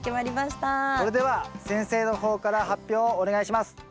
それでは先生の方から発表をお願いします。